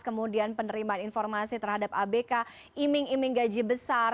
kemudian penerimaan informasi terhadap abk iming iming gaji besar